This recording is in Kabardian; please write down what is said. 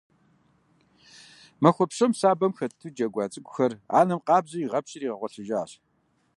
Махуэ псом сабэм хэту джэгуа цӏыкӏухэр анэм къабзэу игъэпскӏири игъэгъуэлъыжащ.